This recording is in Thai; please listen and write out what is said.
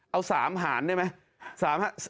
เอา๓หารได้ไหม